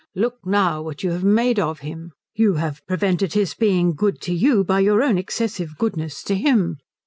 Look, now, what you have made of him. You have prevented his being good to you by your own excessive goodness to him.